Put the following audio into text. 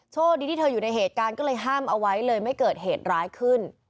โชคดีที่เธออยู่ในเหตุการณ์ก็เลยห้ามเอาไว้เลยไม่เกิดเหตุร้ายขึ้น